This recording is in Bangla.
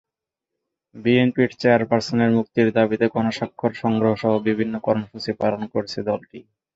বিএনপির চেয়ারপারসনের মুক্তির দাবিতে গণস্বাক্ষর সংগ্রহসহ বিভিন্ন কর্মসূচি পালন করছে দলটি।